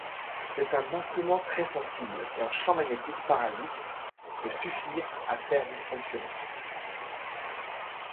C'est un instrument très sensible, qu'un champ magnétique parasite peut suffire à faire dysfonctionner.